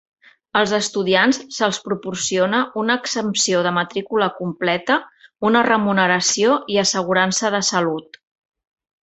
Als estudiants se'ls proporciona una exempció de matrícula completa, una remuneració i assegurança de salut.